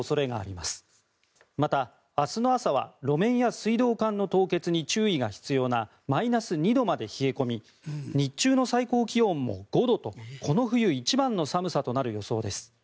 また、明日の朝は路面や水道管の凍結に注意が必要なマイナス２度まで冷え込み日中の最高気温も５度とこの冬一番の寒さとなる予想です。